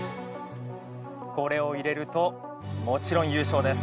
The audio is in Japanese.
これを入れるともちろん優勝です。